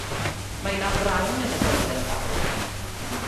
Mae 'na frain yn y goedan fawr.